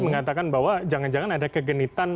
mengatakan bahwa jangan jangan ada kegenitan